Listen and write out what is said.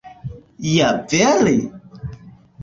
Ja vere?